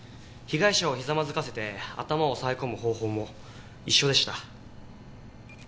被害者をひざまずかせて頭を押さえ込む方法も一緒でした。